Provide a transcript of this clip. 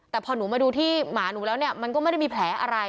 แต่พอหนูมาดูที่หมาหนูแล้วเนี่ยมันก็ไม่ได้มีแผลอะไร